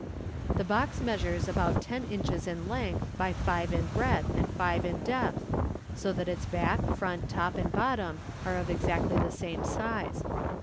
The box measures about ten inches in length, by five in breadth and five in depth, so that its back, front, top, and bottom are of exactly the same size.